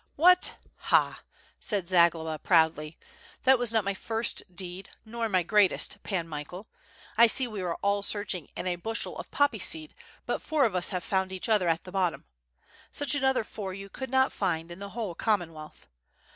'^What! Ha!" said Zagloba proudly, "that was not my first deed nor my greatest, Pan Michael. I see we are all search ing in a bushel of poppy seed, but four of us have found each other at the bottom. Such another four you could not find in the whole Commonwealth.